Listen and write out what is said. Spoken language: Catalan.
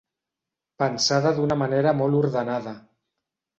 Pensada d'una manera molt ordenada.